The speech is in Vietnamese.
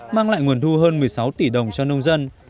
mang lại nguồn thu hơn một mươi sáu tỷ đồng cho nông dân